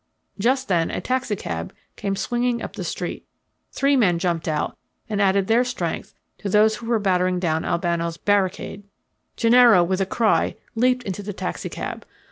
Just then a taxicab came swinging up the street. Three men jumped out and added their strength to those who were battering down Albano's barricade. Gennaro, with a cry, leaped into the taxicab.